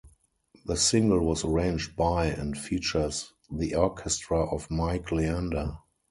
The single was arranged by and features the orchestra of Mike Leander.